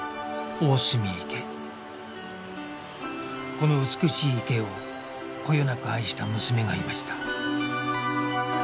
この美しい池をこよなく愛した娘がいました